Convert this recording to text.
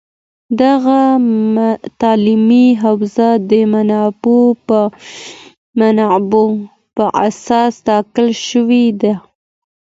دغه تعلیمي حوزه د منابعو په اساس ټاکل شوې ده